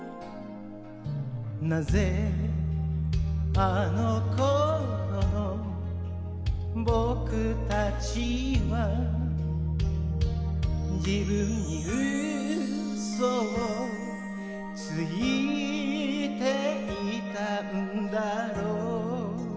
なぜあの頃の僕たちは自分に嘘をついていたんだろう